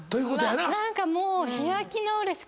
何かもう。